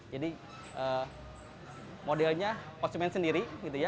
jadi modelnya posimen sendiri